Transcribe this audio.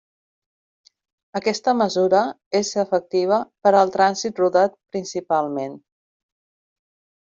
Aquesta mesura és efectiva per al trànsit rodat principalment.